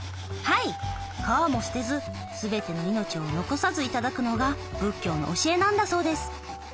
はい皮も捨てずすべての命を残さず頂くのが仏教の教えなんだそうです。